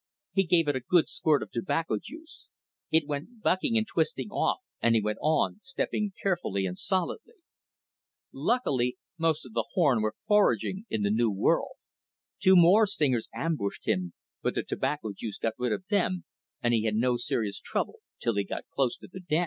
He gave it a good squirt of tobacco juice. It went bucking and twisting off and he went on, stepping carefully and solidly. Luckily, most of the Harn was foraging in the new world. Two more stingers ambushed him, but the tobacco juice got rid of them, and he had no serious trouble till he got close to the den.